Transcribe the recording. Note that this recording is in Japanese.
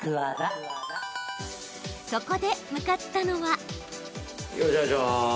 そこで、向かったのは。